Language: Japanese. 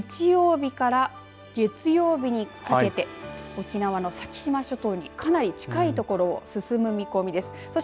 日曜日から月曜日にかけて沖縄の先島諸島にかなり近い所を進む見込みです。